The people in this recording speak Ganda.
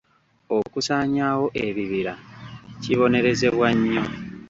Okusaanyaawo ebibira kibonerezebwa nnyo.